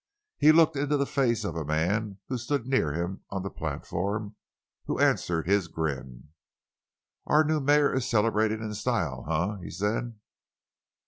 He looked into the face of a man who stood near him on the platform—who answered his grin. "Our new mayor is celebrating in style, eh?" he said.